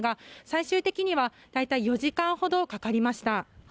最終的には大体４時間ほどかかりました。